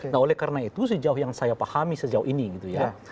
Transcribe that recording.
nah oleh karena itu sejauh yang saya pahami sejauh ini gitu ya